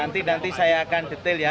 nanti nanti saya akan detail ya